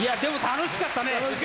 楽しかった。